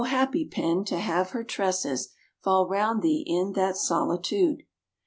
happy Pen, to have her tresses Fall round thee in that solitude!